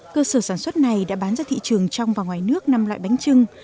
cơ sở sản xuất này đã bán ra thị trường trong và ngoài nước năm loại bánh trưng